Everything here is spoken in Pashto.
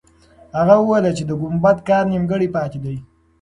هغه وویل چې د ګمبد کار نیمګړی پاتې دی.